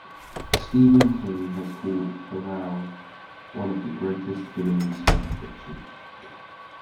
Stephen King has called Powell one of the greatest villains in fiction.